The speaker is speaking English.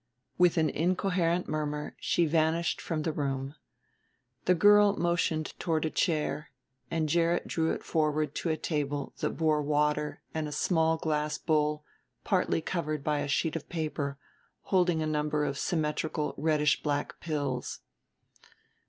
With an incoherent murmur she vanished from the room. The girl motioned toward a chair, and Gerrit drew it forward to a table that bore water and a small glass bowl partly covered by a sheet of paper, holding a number of symmetrical reddish black pills.